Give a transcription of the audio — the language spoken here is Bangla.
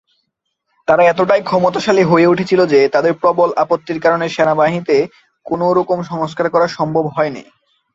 তারা এতটাই ক্ষমতাশালী হয়ে উঠেছিল যে, তাদের প্রবল আপত্তির কারণে সেনাবাহিনীতে কোনো রকম সংস্কার করা সম্ভব হয়নি।